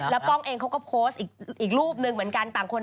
แล้วป้องเองเขาก็โพสต์อีกรูปหนึ่งเหมือนกันต่างคน